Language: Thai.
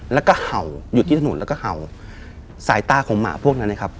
แล้วก็เห่าอยู่ที่ถนนแล้วก็เห่าสายตาของหมาพวกนั้นนะครับ